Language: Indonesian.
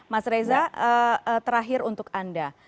mas reza terakhir untuk anda